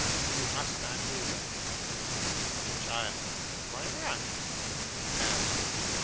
You must not do that. Child. Why not? Master.